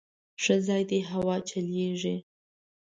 _ښه ځای دی، هوا چلېږي.